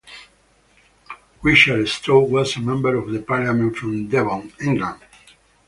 Richard Strode was a Member of Parliament from Devon, England.